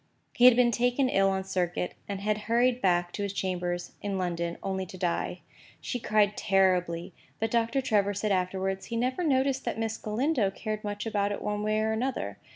He had been taken ill on circuit, and had hurried back to his chambers in London only to die. She cried terribly; but Doctor Trevor said afterwards, he never noticed that Miss Galindo cared much about it one way or another.